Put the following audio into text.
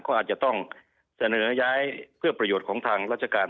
ก็อาจจะต้องเสนอย้ายเพื่อประโยชน์ของทางราชการ